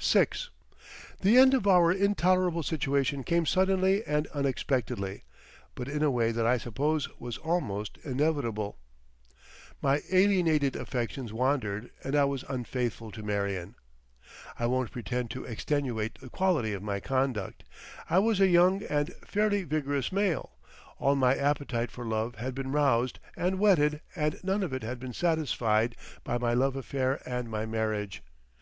VI The end of our intolerable situation came suddenly and unexpectedly, but in a way that I suppose was almost inevitable. My alienated affections wandered, and I was unfaithful to Marion. I won't pretend to extenuate the quality of my conduct. I was a young and fairly vigorous male; all my appetite for love had been roused and whetted and none of it had been satisfied by my love affair and my marriage.